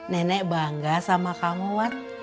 nenek bangga sama kamu kan